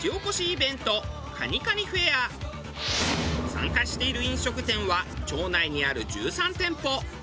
参加している飲食店は町内にある１３店舗。